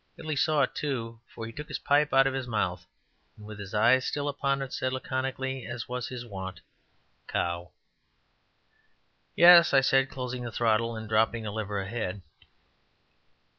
Billy saw it, too, for he took his pipe out of his mouth, and with his eyes still upon it, said laconically, as was his wont: "Cow." "Yes," said I, closing the throttle and dropping the lever ahead.